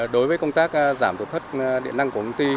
đối với công tác giảm tổn thất điện năng của công ty